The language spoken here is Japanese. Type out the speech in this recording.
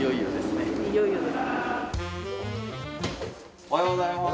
おはようございます。